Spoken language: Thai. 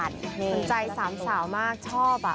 สนใจสามสาวมากชอบ